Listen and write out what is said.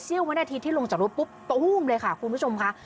เชี่ยวไว้นาทีที่ลงจากรถปุ๊บปู๊บเลยค่ะคุณผู้ชมค่ะ